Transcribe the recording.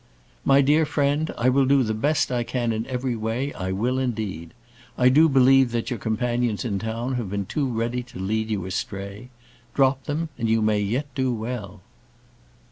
"My dear friend, I will do the best I can in every way; I will, indeed. I do believe that your companions in town have been too ready to lead you astray. Drop them, and you may yet do well."